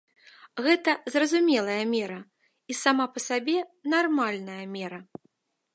Гэта зразумелая мера, і сама па сабе нармальная мера.